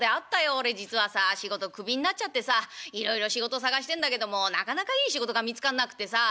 俺実はさ仕事クビになっちゃってさいろいろ仕事探してんだけどもなかなかいい仕事が見つかんなくてさ」。